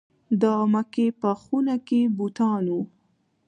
د مکې په خونه کې بوتان وو.